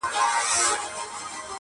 د دروازې له ښورېدو سره سړه سي خونه؛